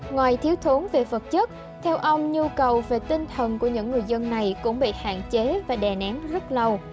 ngoài thiếu thốn về vật chất theo ông nhu cầu về tinh thần của những người dân này cũng bị hạn chế và đè nén rất lâu